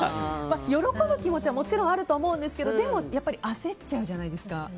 喜ぶ気持ちはもちろんあると思うんですけどでも焦っちゃうじゃないですか。